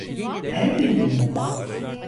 Her gün mü?